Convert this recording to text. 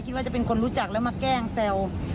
ว่าจะเป็นคนรู้จักแล้วมาแกล้งแซว